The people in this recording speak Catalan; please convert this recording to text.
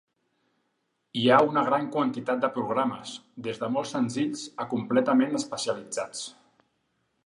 Hi ha una gran quantitat de programes, des de molt senzills a completament especialitzats.